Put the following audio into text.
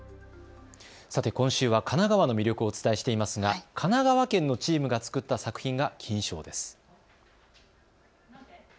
さて今週は神奈川の魅力をお伝えしていますが神奈川県のチームが作った作品が金賞です。